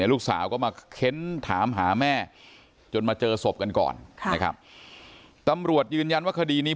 ลูกสาวก็มาเค้นถามหาแม่จนมาเจอศพกันก่อนนะครับตำรวจยืนยันว่าคดีนี้